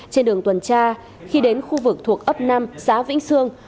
trên đường tuần tra khi đến khu vực thuộc ấp năm xã vĩnh sương